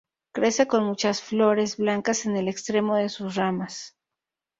Crece con muchas flores blancas en el extremo de sus ramas.